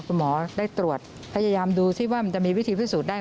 คุณหมอได้ตรวจพยายามดูสิว่ามันจะมีวิธีพิสูจนได้